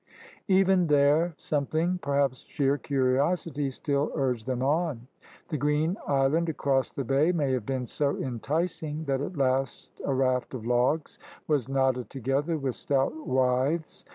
Even there something — perhaps sheer curiosity — still urged them on. The green island across the bay may have been so enticing that at last a raft of logs was knotted to gether with stout withes.